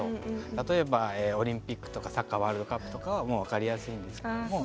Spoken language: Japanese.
例えば、オリンピックとかサッカーワールドカップとかは分かりやすいんですけども。